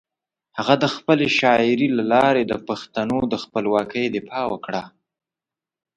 هغه د خپلې شاعري له لارې د پښتنو د خپلواکۍ دفاع وکړه.